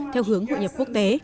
theo hướng hội nhập quốc tế